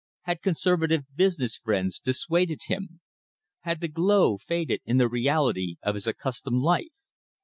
Had conservative business friends dissuaded him? Had the glow faded in the reality of his accustomed life?